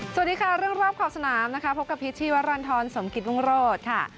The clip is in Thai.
สวัสดีค่ะเรื่องรอบขอบสนามนะคะพบกับพิษชีวรรณฑรสมกิตรุงโรศค่ะ